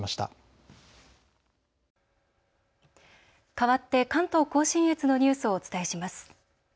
かわって関東甲信越のニュースをお伝えします。